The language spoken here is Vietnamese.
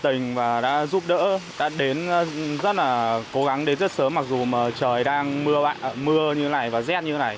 tình và đã giúp đỡ đã đến rất là cố gắng đến rất sớm mặc dù mà trời đang mưa như thế này và rét như thế này